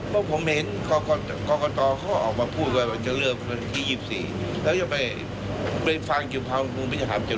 ตุกติกอะไรเพราะไม่ขอวางรถแบบมาตั้งนานแล้ว